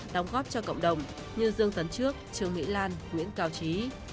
đóng góp cho cộng đồng như dương tấn trước trương mỹ lan nguyễn cao trí